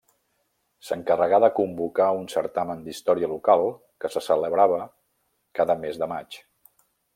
S'encarregà de convocar un certamen d'història local que se celebrava cada mes de maig.